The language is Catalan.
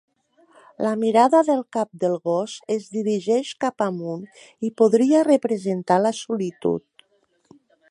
La mirada del cap del gos es dirigeix cap amunt, i podria representar la solitud.